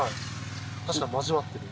確かに交わってる。